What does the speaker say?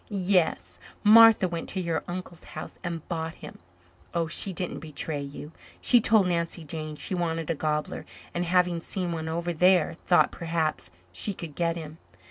"Yes. Martha went to your uncle's house and bought him. Oh, she didn't betray you. She told Nancy Jane she wanted a gobbler and, having seen one over there, thought perhaps she could get him.